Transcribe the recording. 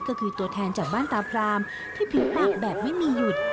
ก็คือตัวแทนจากบ้านตาพรามที่ผิวหนักแบบไม่มีหยุด